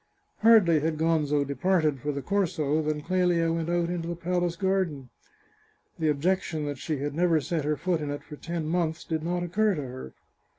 Hardly had Gonzo departed for the Corso than Clelia went out into the palace garden. The objection that she had never set her foot in it for ten months did not occur to her.